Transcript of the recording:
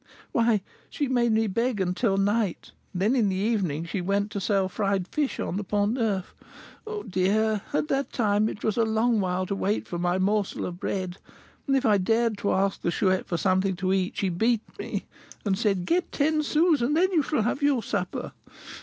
"Why, she made me beg until night; then, in the evening, she went to sell fried fish on the Pont Neuf. Oh, dear! at that time it was a long while to wait for my morsel of bread; and if I dared to ask the Chouette for something to eat, she beat me and said, 'Get ten sous, and then you shall have your supper.'